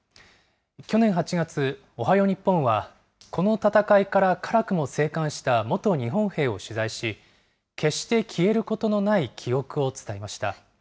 去年８月、おはよう日本は、この戦いから辛くも生還した元日本兵を取材し、決して消えることのない記憶を伝えました。